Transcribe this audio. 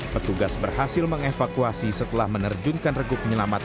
petugas berhasil mengevakuasi setelah menerjunkan regu penyelamat